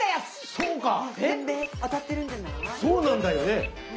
そうなんだよね？